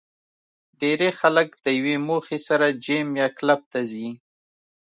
ډېری خلک د یوې موخې سره جېم یا کلب ته ځي